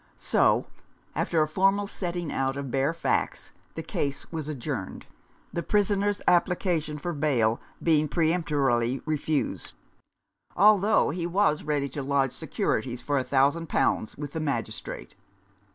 So, after a formal setting out of bare facts, the case was adjourned, the prisoner's application for bail being peremptorily refused ; although he was ready to lodge securities for a thousand pounds with the Magistrate.